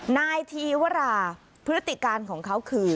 นายธีวราพฤติการของเขาคือ